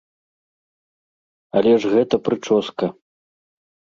Але ж гэта прычоска.